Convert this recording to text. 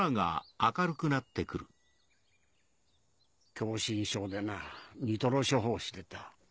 狭心症でなニトロ処方してた。